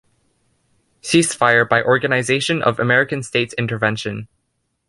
Ceasefire by Organization of American States intervention.